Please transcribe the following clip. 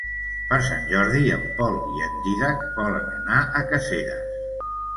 Per Sant Jordi en Pol i en Dídac volen anar a Caseres.